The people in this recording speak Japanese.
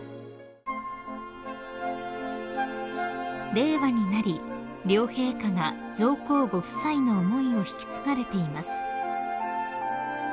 ［令和になり両陛下が上皇ご夫妻の思いを引き継がれています］